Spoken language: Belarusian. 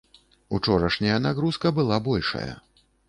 Учорашняя нагрузка была большая.